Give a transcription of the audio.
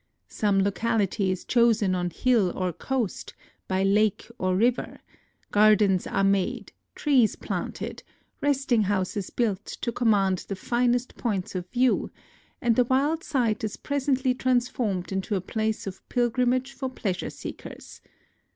Some locality is chosen on hill or coast, by lake or river: gardens are made, trees planted, resting houses built to command the finest points of view ; and the wild site is presently transformed into a place of pilgrim age for pleasure seekers.